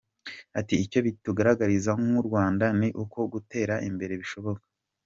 Ati “Icyo bitugaragariza nk’u Rwanda ni uko gutera imbere bishoboka.